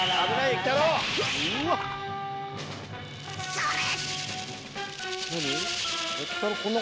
「それ！」